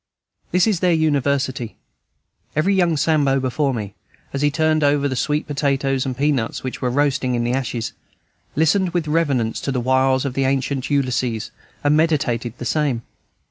This is their university; every young Sambo before me, as he turned over the sweet potatoes and peanuts which were roasting in the ashes, listened with reverence to the wiles of the ancient Ulysses, and meditated the same.